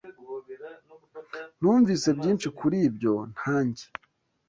Numvise byinshi kuri ibyo, nanjye.